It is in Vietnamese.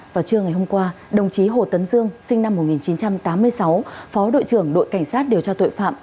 vào trưa ngày hôm qua đồng chí hồ tấn dương sinh năm một nghìn chín trăm tám mươi sáu phó đội trưởng đội cảnh sát điều tra tội phạm